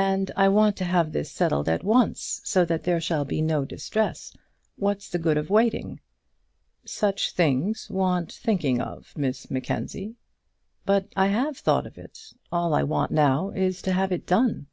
"And I want to have this settled at once, so that there shall be no distress. What's the good of waiting?" "Such things want thinking of, Miss Mackenzie." "But I have thought of it. All I want now is to have it done."